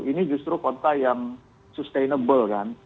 ini justru kota yang sustainable kan